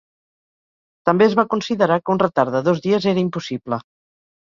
També es va considerar que un retard de dos dies era impossible.